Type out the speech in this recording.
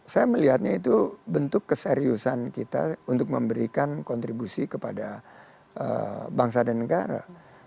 saya melihatnya itu bentuk keseriusan kita untuk memberikan kontribusi kepada bangsa dan negara